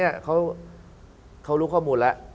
ใช่คราวนี้เขารู้ข้อมูลแล้ว